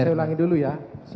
saya ulangi dulu ya